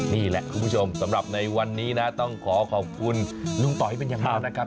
นี่แหละคุณผู้ชมสำหรับในวันนี้นะต้องขอขอบคุณลุงต่อให้เป็นอย่างมากนะครับ